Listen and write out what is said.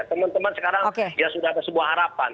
teman teman sekarang ya sudah ada sebuah harapan